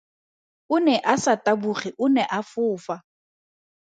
O ne a sa taboge o ne a fofa.